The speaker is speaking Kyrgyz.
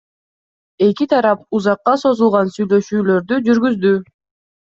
Эки тарап узакка созулган сүйлөшүүлөрдү жүргүздү.